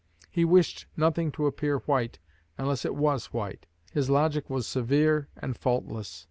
He wished nothing to appear white unless it was white. His logic was severe and faultless.